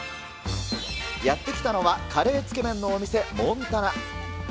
やって来たのは、カレーつけ麺のお店、モンタナ。